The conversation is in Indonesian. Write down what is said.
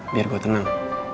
biar gue tenang